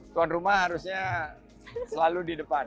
tuan rumah harusnya selalu di depan